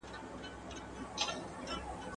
قانون ولي تعدیل کیږي؟